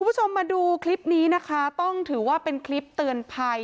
คุณผู้ชมมาดูคลิปนี้นะคะต้องถือว่าเป็นคลิปเตือนภัย